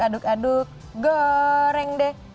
aduk aduk goreng deh